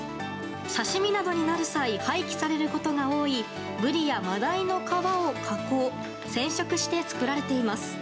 刺身などになる際、廃棄されることが多いブリやマダイの皮を加工、染色して作られています。